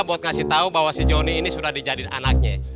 buat ngasih tahu bahwa si joni ini sudah dijadiin anaknya